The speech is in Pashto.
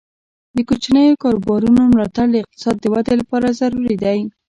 د کوچنیو کاروبارونو ملاتړ د اقتصاد د ودې لپاره ضروري دی.